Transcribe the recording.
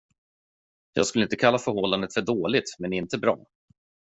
Jag skulle inte kalla förhållandet för dåligt, men det är inte bra.